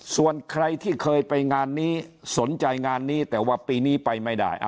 ส่วนใครที่เคยไปงานนี้สนใจงานนี้แต่ว่าปีนี้ไปไม่ได้